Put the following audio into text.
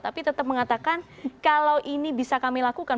tapi tetap mengatakan kalau ini bisa kami lakukan